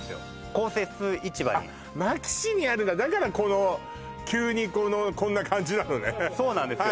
公設市場にあっ牧志にあるんだだからこの急にこのこんな感じなのねそうなんですよ